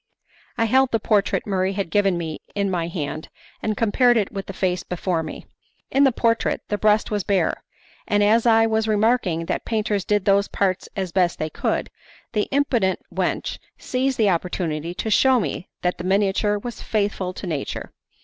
I held the portrait Murray had given me in my hand, and compared it with the face before me. In the portrait the breast was bare, and as I was remarking that painters did those parts as best they could, the impudent wench seized the opportunity to shew me that the miniature was faithful to nature.